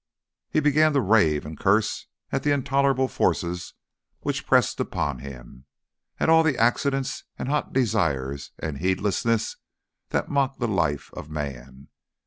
He began to rave and curse at the intolerable forces which pressed upon him, at all the accidents and hot desires and heedlessness that mock the life of man.